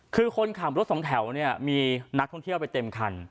คือคนขับรถสองแถวเนี่ยมีนักท่องเที่ยวไปเต็มคัน